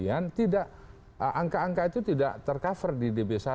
angka angka itu tidak tercover di db satu